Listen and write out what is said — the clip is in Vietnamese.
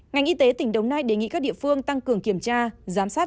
ngành y tế tỉnh đồng nai đề nghị các địa phương tăng cường kiểm tra giám sát